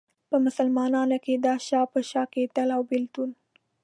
په مسلمانانو کې دا شا په شا کېدل او بېلتون.